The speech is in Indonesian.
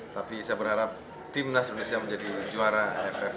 tapi saya berharap timnas indonesia menjadi juara ff dua ribu tujuh belas